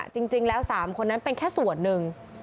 จริงแล้ว๓คนนั้นเป็นแค่ส่วนหนึ่ง